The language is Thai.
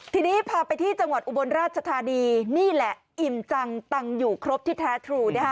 ทีนี้พาไปที่จังหวัดอุบลราชธานีนี่แหละอิ่มจังตังอยู่ครบที่แท้ทรูนะคะ